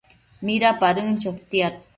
Midapadën chotiad